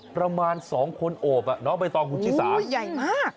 ประมาณ๒คนโอบไปต่อหุ่นชิสาโอ้โหใหญ่มาก